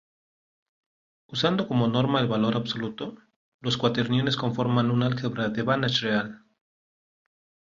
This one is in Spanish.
Usando como norma el valor absoluto, los cuaterniones conforman un álgebra de Banach real.